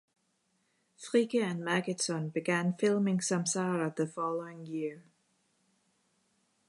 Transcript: Fricke and Magidson began filming "Samsara" the following year.